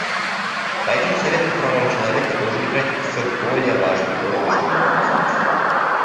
Поэтому Совет по правам человека должен играть все более важную роль в международном сообществе.